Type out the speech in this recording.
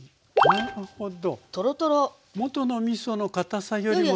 なるほど。